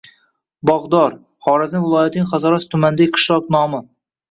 Bog‘dor – Xorazm viloyatining Hazorasp tumanidagi qishloq nomi.